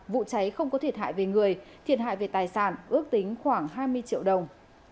vụ cháy không có thiệt hại về người thiệt hại về tài sản ước tính khoảng hai mươi triệu đồng